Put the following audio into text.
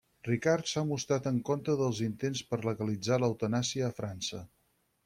Ricard s'ha mostrat en contra als intents per legalitzar l'eutanàsia a França.